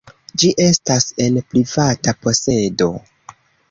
Ĝi estas en privata posedo.